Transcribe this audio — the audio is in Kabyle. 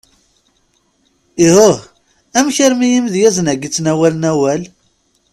Ihuh! amek armi imedyazen agi ttnawalen awal?